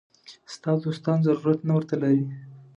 ستا دوستان ضرورت نه ورته لري.